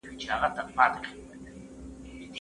د ملکيت ثبوت په شرعي دلیل ولاړ دی.